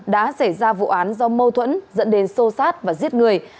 đã xảy ra vụ án do mâu thuẫn dẫn đến xô xát và giết người